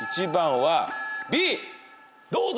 どうだ？